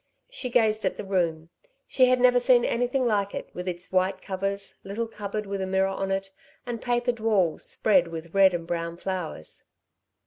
She gazed at the room, she had never seen anything like it, with its white covers, little cupboard with a mirror on it, and papered walls spread with red and brown flowers.